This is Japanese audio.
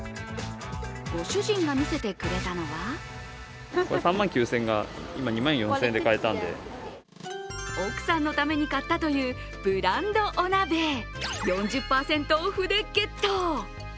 ご主人が見せてくれたのは奥さんのために買ったというブランドお鍋、４０％オフでゲット！